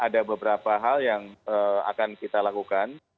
ada beberapa hal yang akan kita lakukan